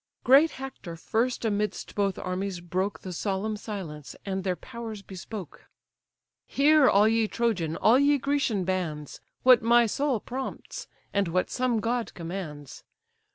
Great Hector first amidst both armies broke The solemn silence, and their powers bespoke: "Hear, all ye Trojan, all ye Grecian bands, What my soul prompts, and what some god commands.